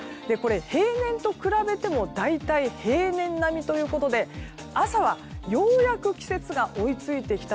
平年と比べても大体、平年並みということで朝は、ようやく季節が追い付いてきた。